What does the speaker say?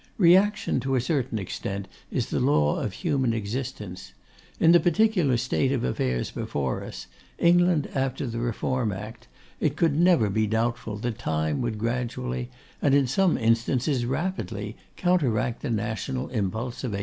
Reaction, to a certain extent, is the law of human existence. In the particular state of affairs before us, England after the Reform Act, it never could be doubtful that Time would gradually, and in some instances rapidly, counteract the national impulse of 1832.